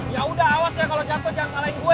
yaudah awas ya kalo jatuh jangan salahin gue